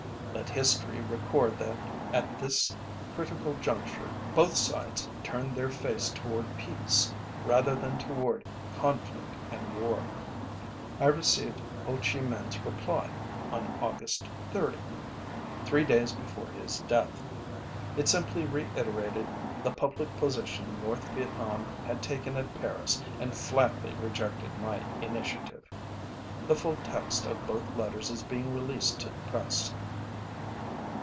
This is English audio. Let history record that at this critical juncture both sides turned their face toward peace rather than toward conflict and war. I received Ho Chi MinhÆs reply on August 30, three days before his death. It simply reiterated the public position North Vietnam had taken at Paris and flatly rejected my initiative. The full text of both letters is being released to the press.